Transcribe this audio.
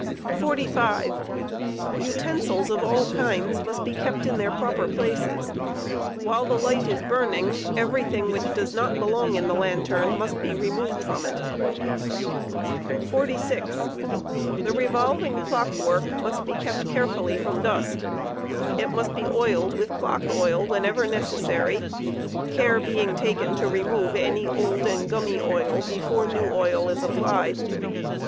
^ piMefor uten. 45. Utensils of all kinds must be kept in their proper places. While the light is burning, everything which doed not belong ii^the lantern must be removed from it cioeicwork. 46. The revolving clock work must be kept carefully from dust; it must be oiled with clock oil whenever necessary, care being taken to remove any old and gummy oil before new oil is applied.